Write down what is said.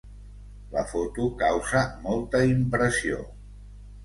La foto causa molta impressió.